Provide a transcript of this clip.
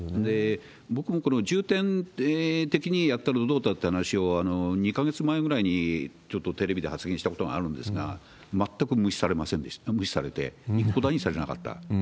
僕もこの重点的にやったらどうだという話を、２か月前ぐらいにちょっとテレビで発言したことがあるんですが、全く無視されて、にされなかった。